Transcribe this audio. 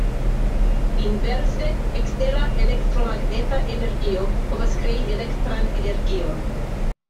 Inverse, ekstera elektromagneta energio povas krei elektran energion.